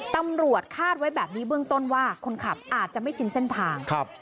คาดไว้แบบนี้เบื้องต้นว่าคนขับอาจจะไม่ชินเส้นทาง